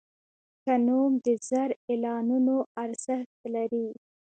ښه نوم د زر اعلانونو ارزښت لري.